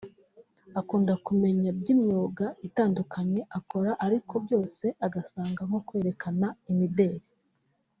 Akunda kumenya by’imyuga itandukanye akora ariko byose ugasanga nko kwerekana imideli